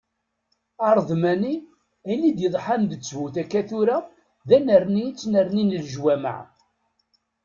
Aredmani, ayen i d-yeḍḥan d ttbut akka tura, d annerni i ttnernin leǧwamaɛ.